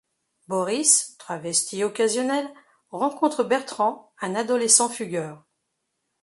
Boris, travesti occasionnel, rencontre Bertrand, un adolescent fugueur.